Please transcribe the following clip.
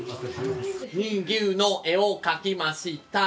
乳牛の絵を描きました。